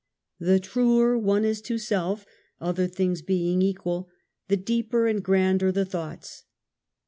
The truer one is to self, (other things being equal,) the deeper and grander the thoughts.